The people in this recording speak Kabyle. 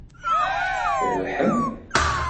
Trebḥem!